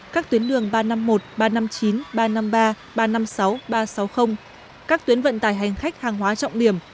các tuyến đường ba trăm năm mươi một ba trăm năm mươi chín ba trăm năm mươi ba ba trăm năm mươi sáu ba trăm sáu mươi các tuyến vận tải hành khách hàng hóa trọng điểm